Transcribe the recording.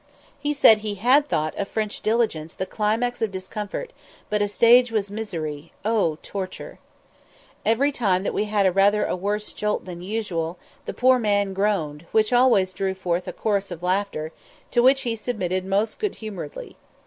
He said he had thought a French diligence the climax of discomfort, but a "stage was misery, oh torture!" Each time that we had rather a worse jolt than usual the poor man groaned, which always drew forth a chorus of laughter, to which he submitted most good humouredly.